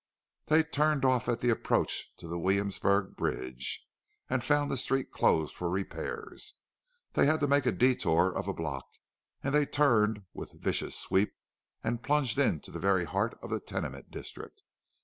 They turned off at the approach to the Williamsburg Bridge, and found the street closed for repairs. They had to make a détour of a block, and they turned with a vicious sweep and plunged into the very heart of the tenement district.